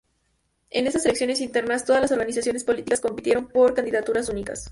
En estas elecciones internas, todas las organizaciones políticas compitieron por candidaturas únicas.